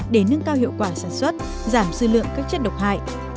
để nâng cao hiệu quả sản xuất giảm sư lượng các chất độc hại